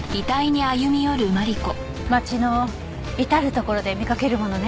街の至るところで見かけるものね